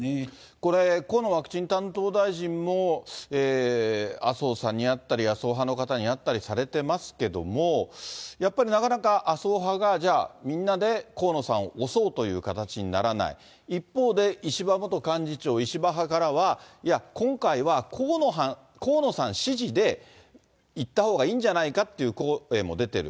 これ、河野ワクチン担当大臣も麻生さんに会ったり麻生派の方に会ったりされてますけれども、やっぱりなかなか麻生派が、じゃあみんなで河野さんを推そうという形にならない、一方で、石破元幹事長、石破派からは、いや、今回は河野さん支持でいったほうがいいんじゃないかっていう声も出てる。